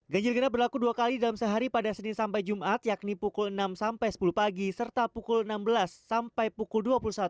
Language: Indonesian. ganjil genap berlaku dua kali dalam sehari pada senin sampai jumat yakni pukul enam sampai sepuluh pagi serta pukul enam belas sampai pukul dua puluh satu